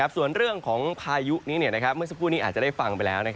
ส่วนเรื่องของพายุนี้เมื่อสักครู่นี้อาจจะได้ฟังไปแล้ว